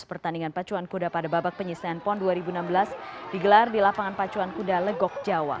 pertandingan pacuan kuda pada babak penyisian pon dua ribu enam belas digelar di lapangan pacuan kuda legok jawa